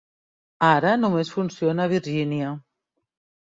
Ara només funciona a Virgínia.